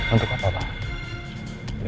untuk apa pak